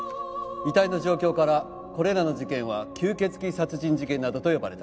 遺体の状況からこれらの事件は吸血鬼殺人事件などと呼ばれた。